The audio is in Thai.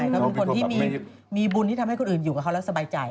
แล้วเป็นคนที่มีบุญที่ทำให้คนอื่นอยู่กับเขาแล้วสบายใจ